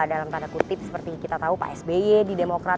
dalam tanda kutip seperti kita tahu pak sby di demokrat